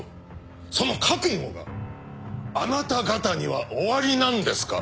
その覚悟があなた方にはおありなんですか？